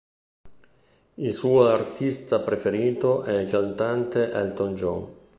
Il suo artista preferito è il cantante Elton John.